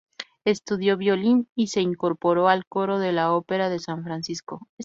Estudió violín y se incorporó al coro de la Opera de San Francisco.